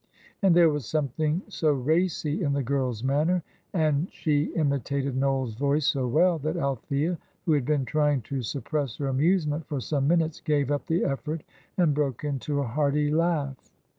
And there was something so racy in the girl's manner, and she imitated Noel's voice so well, that Althea, who had been trying to suppress her amusement for some minutes, gave up the effort, and broke into a hearty laugh.